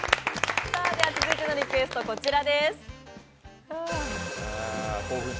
続いてのリクエストはこちらです。